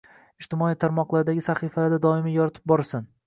Ijtimoiy tarmoqlardagi sahifalarida doimiy yoritib borsin